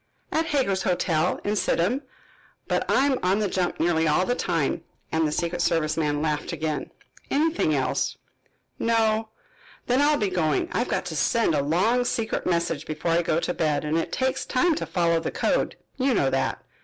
"At Hager's Hotel, in Sidham. But I am on the jump nearly all the time," and the secret service man laughed again. "Anything else?" "No." "Then I'll be going. I've got to send a long secret message before I go to bed and it takes time to follow the code, you know that.